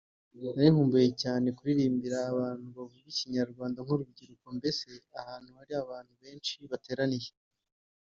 Nari nkumbuye cyane kuririmbira abantu bavuga ikinyarwanda nk’urubyiruko mbese ahantu hari abantu benshi bateraniye